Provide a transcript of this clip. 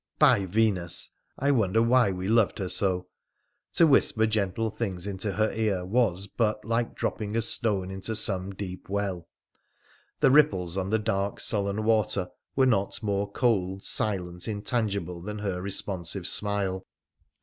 By Venus ! I wonder why we loved her so. To whisper gentle things into her ear was but like dropping a stone into some deep well — the ripples on the dark, sullen water were not more cold, silent, intangible than her responsive smile.